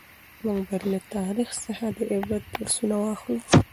موږ باید له تاریخ څخه د عبرت درسونه واخلو.